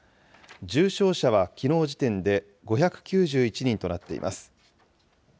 重症者はきのう時点で５９１人となっています。